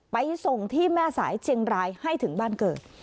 ไปส่งที่แม่สายเชียงรายให้ถึงบ้านเกิด